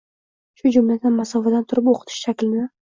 shu jumladan masofadan turib o`qitish shaklini